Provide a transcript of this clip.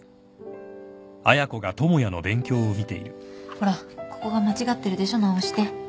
ほらここが間違ってるでしょ直して。